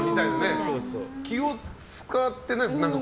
気を使ってないですか？